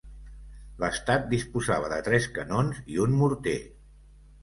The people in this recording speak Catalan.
L'estat disposava de tres canons i un morter.